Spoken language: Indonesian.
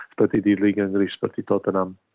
seperti di liga inggris seperti tottenham